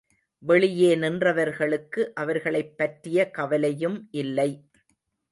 வெளியே நின்றவர்களுக்கு அவர்களைப் பற்றிய கவலையும் இல்லை.